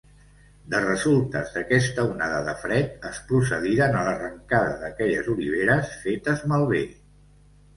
De resultes d'aquesta onada de fred, es procediren a l'arrencada d'aquelles oliveres fetes malbé.